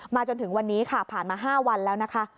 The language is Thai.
จนถึงวันนี้ค่ะผ่านมา๕วันแล้วนะคะ